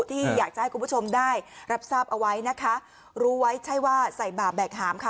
ที่อยากจะให้คุณผู้ชมได้รับทราบเอาไว้นะคะรู้ไว้ใช่ว่าใส่บาปแบกหามค่ะ